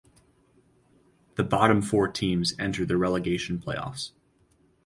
The bottom four teams enter the relegation playoffs.